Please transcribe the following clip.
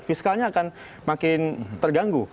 fiskalnya akan makin terganggu